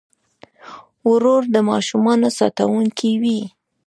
ورور د ماشومانو ساتونکی وي.